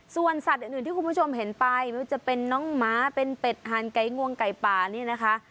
ส่วนสัตว์อื่นที่คุณผู้ชมเห็นไปไม่ว่าจะเป็นน้องหมาเป็นเป็ดหานไก่งวงไก่ป่านี่นะคะ